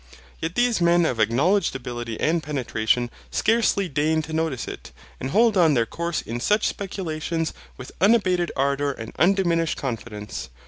Yet these men of acknowledged ability and penetration scarcely deign to notice it, and hold on their course in such speculations with unabated ardour and undiminished confidence.